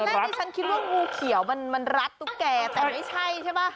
ที่ฉันคิดว่างูเขียวมันรัดตุ๊กแก่แต่ไม่ใช่ใช่ป่ะ